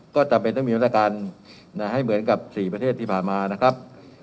ก็จำเป็นต้องมีมาตรการให้เหมือนกับ๔ประเทศที่ผ่านมานะครับ